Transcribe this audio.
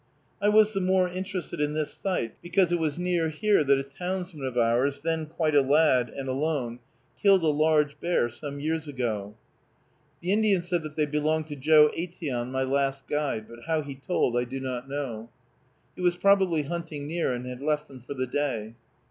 I was the more interested in this sight, because it was near here that a townsman of ours, then quite a lad, and alone, killed a large bear some years ago. The Indian said that they belonged to Joe Aitteon, my last guide, but how he told I do not know. He was probably hunting near, and had left them for the day.